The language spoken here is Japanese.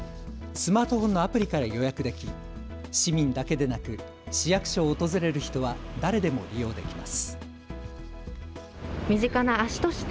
スマートフォンのアプリから予約でき市民だけでなく市役所を訪れる人は誰でも利用できます。